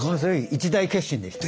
一大決心でした。